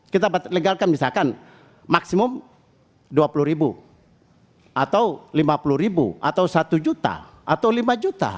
kita legalkan misalkan maksimum dua puluh ribu atau lima puluh ribu atau satu juta atau lima juta